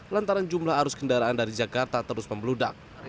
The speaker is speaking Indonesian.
lantaran jumlah arus kendaraan dari jakarta terus membeludak